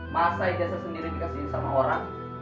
masa ijazah sendiri dikasihin sama orang